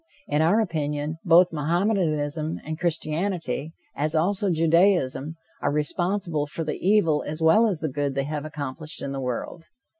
In our opinion, both Mohammedanism and Christianity, as also Judaism, are responsible for the evil as well as the good they have accomplished in the world.